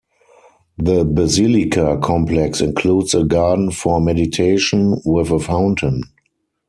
The basilica complex includes a garden for meditation, with a fountain.